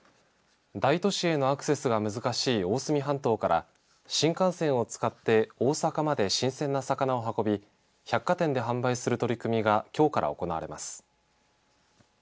大都市へのアクセスが難しい大隅半島から新幹線を使って大阪まで新鮮な魚を運び百貨店で販売する取り組みがきょうから行われます。